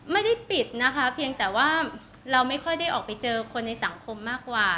ไม่ได้ปิดนะคะเพียงแต่ว่าเราไม่ค่อยได้ออกไปเจอคนในสังคมมากกว่า